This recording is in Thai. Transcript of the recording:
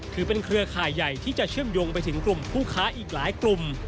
เครือข่ายใหญ่ที่จะเชื่อมโยงไปถึงกลุ่มผู้ค้าอีกหลายกลุ่ม